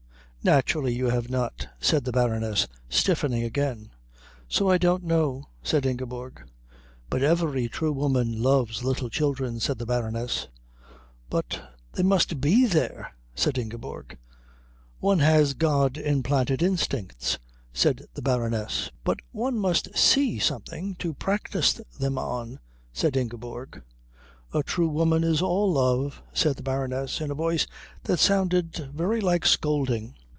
"Naturally you have not," said the Baroness, stiffening again. "So I don't know," said Ingeborg. "But every true woman loves little children," said the Baroness. "But they must be there," said Ingeborg. "One has God implanted instincts," said the Baroness. "But one must see something to practise them on," said Ingeborg. "A true woman is all love," said the Baroness, in a voice that sounded very like scolding.